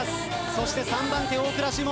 そして３番手大倉士門